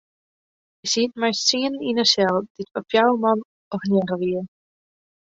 Wy sieten mei ús tsienen yn in sel dy't foar fjouwer man ornearre wie.